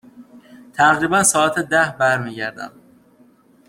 تقریبا ساعت ده برمی گردم.